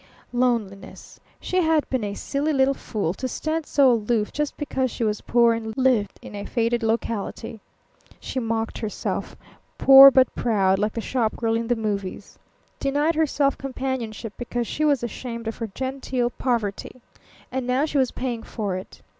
Loneliness. She had been a silly little fool to stand so aloof, just because she was poor and lived in a faded locality. She mocked herself. Poor but proud, like the shopgirl in the movies. Denied herself companionship because she was ashamed of her genteel poverty. And now she was paying for it.